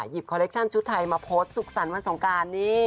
คอเล็กชั่นชุดไทยมาโพสต์สุขสรรค์วันสงการนี่